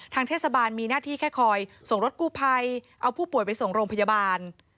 เทศบาลมีหน้าที่แค่คอยส่งรถกู้ภัยเอาผู้ป่วยไปส่งโรงพยาบาล